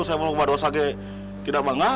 saya mau loba dosa ke tidak bangga